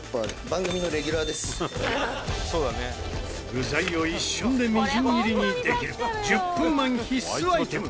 具材を一瞬でみじん切りにできる１０分マン必須アイテム。